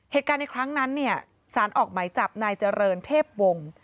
เหตุการณ์ในครั้งนั้นเนี่ยสารออกไหมจับนายเจริญเทพวงศ์